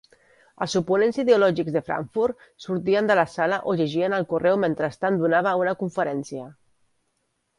Els oponents ideològics de Frankfurt sortien de la sala o llegien el correu mentrestant donava una conferència.